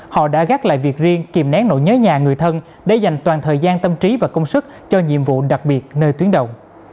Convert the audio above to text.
họ đã gác lại việc riêng kìm nén nỗi nhớ nhà người thân để dành toàn thời gian tâm trí và công sức cho nhiệm vụ đặc biệt nơi tuyến đầu